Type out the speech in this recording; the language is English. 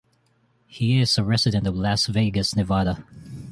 He is a resident of Las Vegas, Nevada.